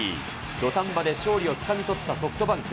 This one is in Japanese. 土壇場で勝利をつかみ取ったソフトバンク。